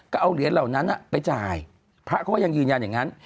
ก็เอาเหรียญเหล่านั้นไปจ่ายพระเขาก็ยังยืนยันอย่างนั้น